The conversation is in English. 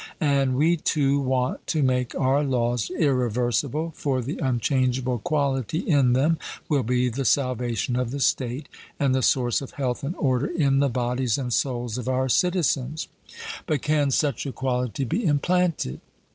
And we too want to make our laws irreversible, for the unchangeable quality in them will be the salvation of the state, and the source of health and order in the bodies and souls of our citizens. 'But can such a quality be implanted?'